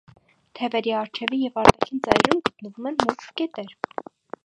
Թևերի առջևի և արտաքին ծայրերում գտնվում են մուգ կետեր։